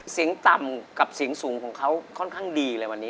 เสียงต่ำกับเสียงสูงของเขาค่อนข้างดีเลยวันนี้